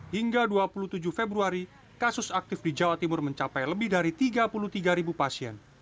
hingga dua puluh tujuh februari kasus aktif di jawa timur mencapai lebih dari tiga puluh tiga pasien